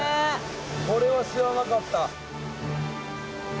これは知らなかった。